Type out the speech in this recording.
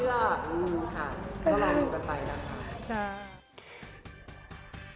ค่ะต้องลองดูกันไปนะคะ